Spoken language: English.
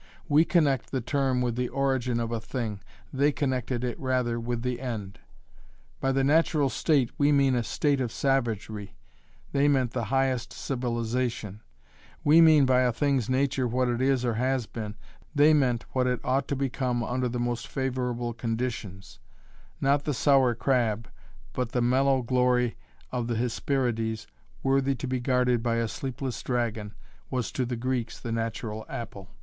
We connect the term with the origin of a thing, they connected it rather with the end; by the 'natural state' we mean a state of savagery, they meant the highest civilization; we mean by a thing's nature what it is or has been, they meant what it ought to become under the most favourable conditions; not the sour crab, but the mellow glory of the Hesperides worthy to be guarded by a sleepless dragon, was to the Greeks the natural apple.